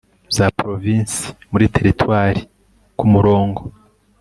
ZA PROVINSI MURI TERITWARI KU MURONGO